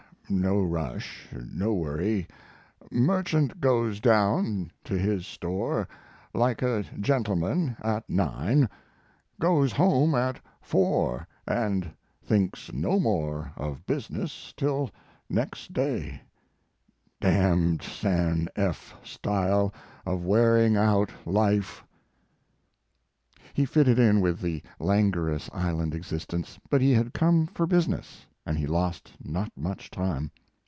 no rush, no worry merchant goes down to his store like a gentleman at nine goes home at four and thinks no more of business till next day. D n San F. style of wearing out life. He fitted in with the languorous island existence, but he had come for business, and he lost not much time.